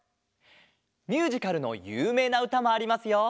ミュージカルのゆうめいなうたもありますよ。